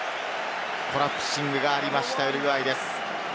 コラプシングがありました、ウルグアイです。